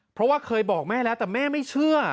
เพราะว่าเคยบอกแม่แล้วแต่แม่ไม่เชื่อ